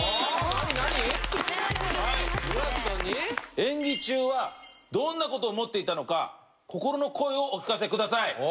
タカ：演技中はどんな事を思っていたのか心の声をお聞かせください。